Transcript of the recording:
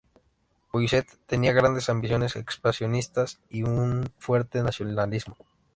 Poinsett, tenía grandes ambiciones expansionistas y un fuerte nacionalismo.